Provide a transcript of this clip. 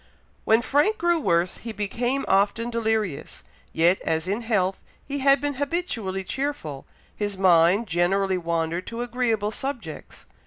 '" When Frank grew worse, he became often delirious. Yet as in health he had been habitually cheerful, his mind generally wandered to agreeable subjects.